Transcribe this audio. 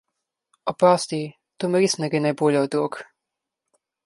Oprosti, to mi res ne gre najbolje od rok.